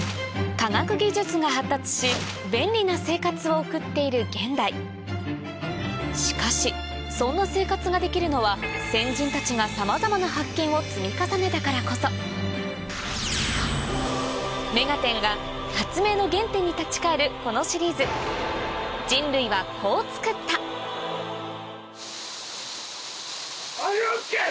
科学技術が発達し便利な生活を送っている現代しかしそんな生活ができるのは先人たちがさまざまな発見を積み重ねたからこそ『目がテン！』が発明の原点に立ち返るこのシリーズアビラウンケン！